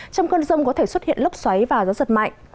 trong cơn rông có thể xuất hiện lốc xoáy và gió giật mạnh